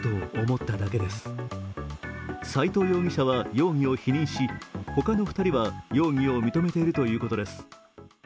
斉藤容疑者は容疑を否認し、他の２人は容疑を認めているということです。